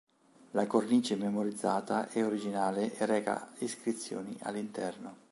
La cornice marmorizzata è originale e reca iscrizioni all'interno.